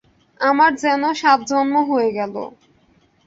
আমার যেন সাত জন্ম হয়ে গেল।